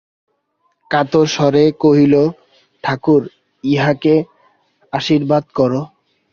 কাতর স্বরে কহিল, ঠাকুর, ইহাকে আশীর্বাদ করো।